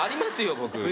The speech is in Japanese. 僕。